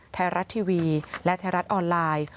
ไทยรัฐทีวีและไทยรัฐออนไลน์